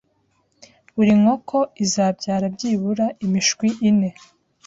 buri nkoko izabyara byibura imishwi ine